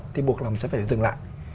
thì buộc lòng sẽ phải dừng lại